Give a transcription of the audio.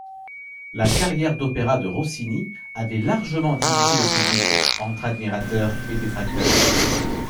La carrière d'opéra de Rossini avait largement divisé le public entre admirateurs et détracteurs.